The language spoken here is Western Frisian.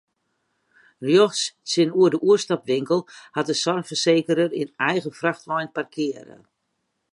Rjocht tsjinoer de oerstapwinkel hat de soarchfersekerder in eigen frachtwein parkearre.